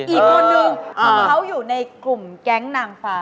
อีกคนนึงของเขาอยู่ในกลุ่มแก๊งนางฟ้า